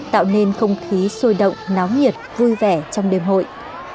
tạo nên không khí sôi động náo nhiệt vui vẻ trong đêm hội